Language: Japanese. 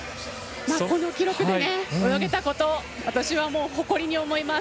この記録で泳げたこと私はもう誇りに思います。